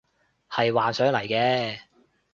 係幻想嚟嘅